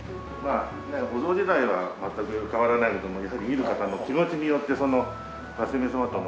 お像自体は全く変わらないけどもやはり見る方の気持ちによってその松姫様との。